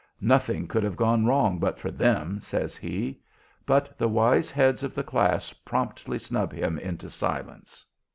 "Nothing could have gone wrong but for them," says he; but the wise heads of the class promptly snub him into silence.